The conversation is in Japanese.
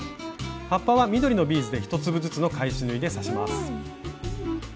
葉っぱは緑のビーズで１粒ずつの返し縫いで刺します。